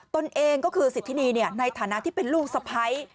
ตนเองก็คือสิทธินีในฐานะที่เป็นลูกสะพ้าย